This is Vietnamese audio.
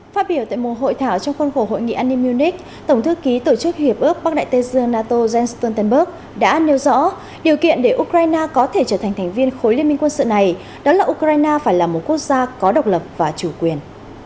phát biểu tại một hội thảo trong khuôn khổ hội nghị an ninh munich tổng thư ký tổ chức hiệp ước bắc đại tây dương nato jens stoltenberg đã nêu rõ điều kiện để ukraine có thể trở thành thành viên khối liên minh quân sự này đó là ukraine phải là một quốc gia có độc lập và chủ quyền